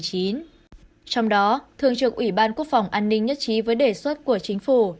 trong đó thường trực ủy ban quốc phòng an ninh nhất trí với đề xuất